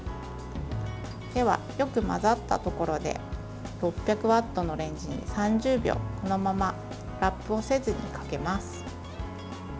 では、よく混ざったところで６００ワットのレンジに３０秒このままラップをせずにかけます。